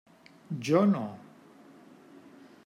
Jo no.